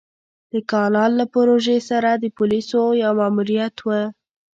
د کانال له پروژې سره د پوليسو يو ماموريت و.